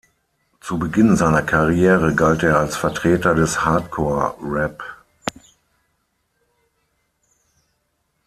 Zu Beginn seiner Karriere galt er als Vertreter des Hardcore-Rap.